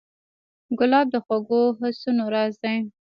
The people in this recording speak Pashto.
ګلاب د خوږو حسونو راز دی.